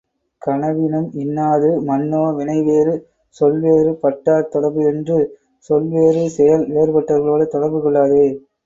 கனவினும் இன்னாது மன்னோ வினைவேறு சொல்வேறு பட்டார் தொடர்பு என்று, சொல் வேறு செயல் வேறுபட்டவர்களோடு தொடர்பு கொள்ளாதே!